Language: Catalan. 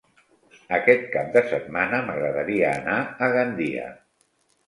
Aquest cap de setmana m'agradaria anar a Gandia.